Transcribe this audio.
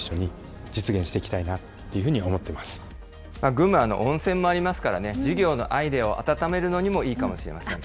群馬、温泉もありますからね、事業のアイデアをあたためるのにもいいかもしれません。